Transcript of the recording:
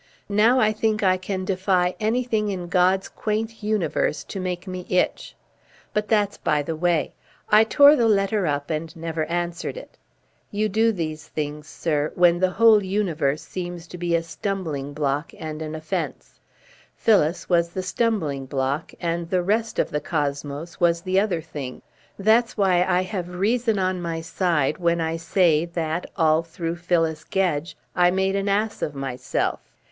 Now I think I can defy anything in God's quaint universe to make me itch. But that's by the way. I tore the letter up and never answered it. You do these things, sir, when the whole universe seems to be a stumbling block and an offence. Phyllis was the stumbling block and the rest of the cosmos was the other thing. That's why I have reason on my side when I say that, all through Phyllis Gedge, I made an ass of myself."